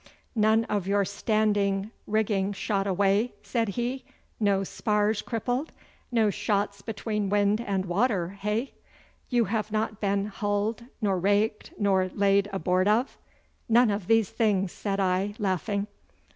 'None of your standing rigging shot away!' said he. 'No spars crippled? No shots between wind and water, eh? You have not been hulled, nor raked, nor laid aboard of?' 'None of these things,' said I, laughing.